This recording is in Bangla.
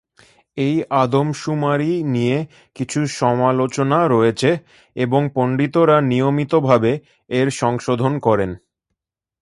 এই আদমশুমারি নিয়ে কিছু সমালোচনা রয়েছে এবং পণ্ডিতরা নিয়মিতভাবে এর সংশোধন করেন।